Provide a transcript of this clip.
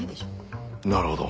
なるほど。